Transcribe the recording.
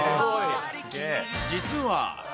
実は。